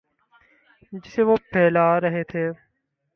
جسے وہ پھیلا رہے تھے۔